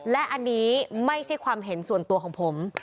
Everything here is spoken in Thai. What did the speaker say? และอันนี้ไม่ใช่ความเห็นส่วนตัวของผม